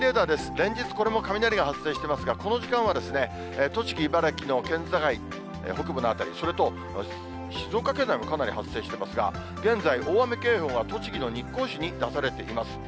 連日これも雷が発生していますが、この時間は栃木、茨城の県境、北部の辺り、それと静岡県内も雷発生していますが、現在、大雨警報が栃木の日光市に出されています。